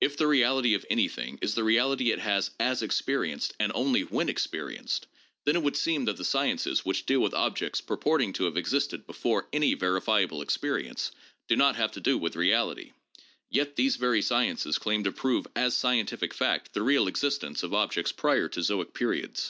If the reality of anything is the reality it has as expe rienced and only when experienced, then it would seem that the sciences which deal with objects purporting to have existed be fore any verifiable experience do not have to do with reality ; yet these very sciences claim to prove as scientific fact the real exis tence of objects prior to zoic periods.